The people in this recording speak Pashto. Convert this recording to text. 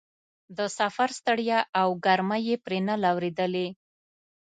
د سفر ستړیا او ګرمۍ یې پرې نه لورېدلې.